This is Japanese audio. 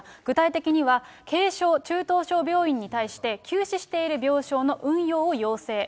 具体的には、軽症中等症病院に対しまして、休止している病床の運用を要請。